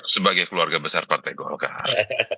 sebagai keluarga besar partai golkar